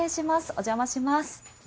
お邪魔します。